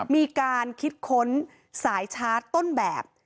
มีการคิดค้นสายชาร์จต้นแบบ